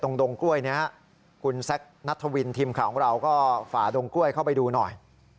ตรงดงกล้วยนี้คุณแซคนัทวินทีมข่าวของเราก็ฝ่าดงกล้วยเข้าไปดูหน่อย